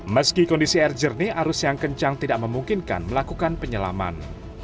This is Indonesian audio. meski kondisi air jernih arus yang kencang tidak memungkinkan melakukan penyelaman